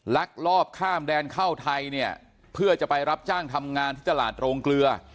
ลักลอบข้ามแดนเข้าไทยเนี่ยเพื่อจะไปรับจ้างทำงานที่ตลาดโรงเกลือ